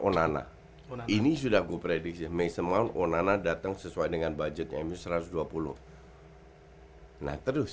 onana ini sudah kuprediksi mason maun onana datang sesuai dengan budgetnya satu ratus dua puluh hai nah terus